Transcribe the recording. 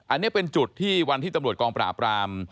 อันนี้เป็นจุดที่วันที่ตำรวจกองปราบราม